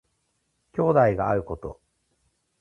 兄弟が会うこと。